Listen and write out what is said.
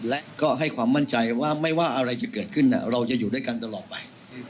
และก็ให้ความมั่นใจว่าไม่ว่าอะไรจะเกิดขึ้นเราจะอยู่ด้วยกันตลอดไป